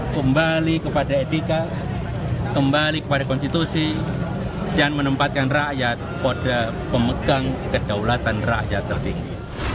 kembali kepada etika kembali kepada konstitusi dan menempatkan rakyat pada pemegang kedaulatan rakyat tertinggi